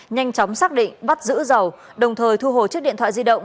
nhanh chóng xác định bắt giữ giàu đồng thời thu hồ trước điện thoại di động